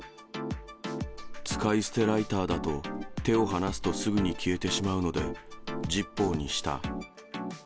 使い捨てライターだと、手を離すとすぐに消えてしまうので、ジッポーにした。